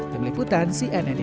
demikian siapa yang di ajarkan